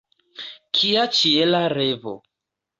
Kia ĉiela revo!